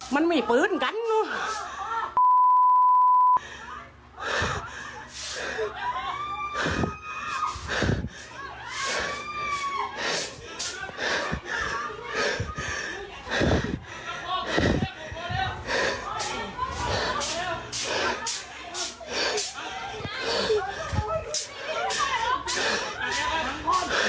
มันมีปืนเหมือนกัน